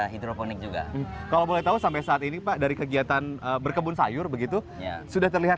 hidroponik juga kalau boleh tahu sampai saat ini pak dari kegiatan berkebun sayur begitu sudah terlihat